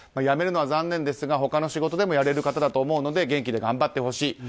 辞めるのは残念ですが他の仕事でもやれる方だと思うので元気で頑張ってほしい。